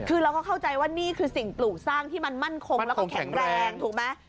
คือเราก็เข้าใจว่านี่คือสิ่งปลูกสร้างที่มันมั่นคงแล้วก็แข็งแรงถูกไหม